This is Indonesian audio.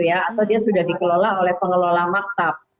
atau dia sudah dikelola oleh pengelola maktab